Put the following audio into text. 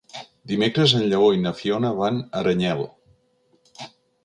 Dimecres en Lleó i na Fiona van a Aranyel.